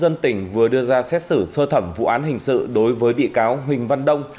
tòa nhân dân tỉnh vừa đưa ra xét xử sơ thẩm vụ án hình sự đối với bị cáo huỳnh văn đông